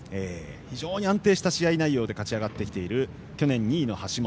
非常に安定した試合内容で勝ち上がってきている去年２位の橋本。